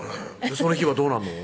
その日はどうなんの？